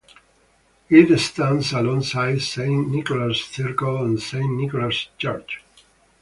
It stands alongside Saint Nicholas' Circle and Saint Nicholas' Church.